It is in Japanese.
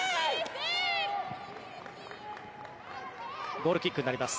ゴールキックになります。